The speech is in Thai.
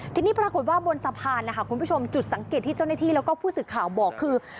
ทีนี้ปรากฏว่าบนสะพานนะคะคุณผู้ชมจุดสังเกตที่เจ้าหน้าที่แล้วก็ผู้สื่อข่าวบอกคือ